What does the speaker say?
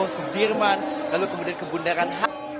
sudirman lalu kemudian ke bundaran hi